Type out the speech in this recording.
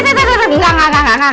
gak gak gak gak gak gak gak gak gak